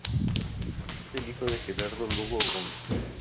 Es el hijo de Gerardo Lugo Gómez.